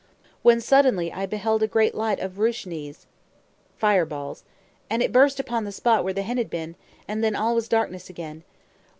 When suddenly I beheld a great light as of rooshnees, [Footnote: Fire balls.] and it burst upon the spot where the hen had been; and then all was darkness again.